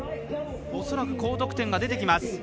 恐らく高得点が出てきます。